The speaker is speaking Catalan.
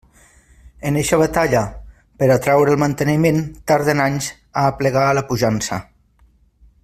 En eixa batalla per a traure el manteniment tarden anys a aplegar a la puixança.